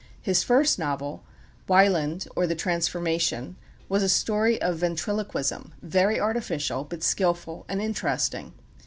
His first novel, "Wieland, or The Transformation," was a story of ventriloquism, very artificial, but skilful and interesting.